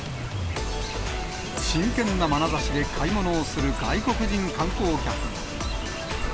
真剣なまなざしで買い物をする外国人観光客が。